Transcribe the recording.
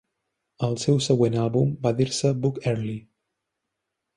El seu següent àlbum va dir-se "Book Early".